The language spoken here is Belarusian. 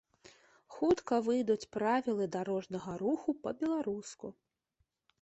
Хутка выйдуць правілы дарожнага руху па-беларуску.